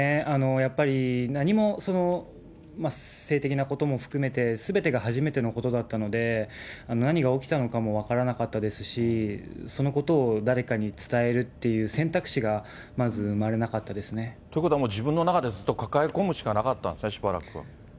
やっぱり何も性的なことも含めて、すべてが初めてのことだったので、何が起きたのかも分からなかったですし、そのことを誰かに伝えるっていう選択肢がまず生まれなかったですということはもう自分の中でずっと抱え込むしかなかったんですね、しばらくは。